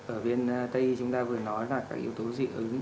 ở bên tây y chúng ta vừa nói là các yếu tố dị ứng